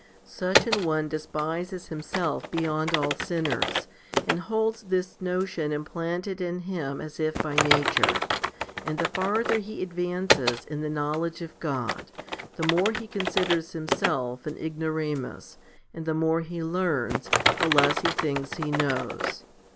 12. Such an one despises himself beyond all sinners, and holds this notion implanted in him as if by nature, and the farther he advances in the knowledge of God, the more he considers himself an ignoramus, and the more he learns, the less he thinks he knows.